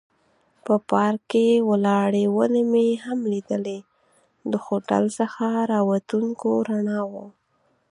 په پارک کې ولاړې ونې مې هم لیدلې، د هوټل څخه را وتونکو رڼاوو.